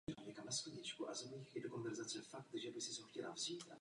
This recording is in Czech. Záhy na to zemřel.